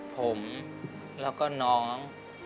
ผมแล้วก็น้อง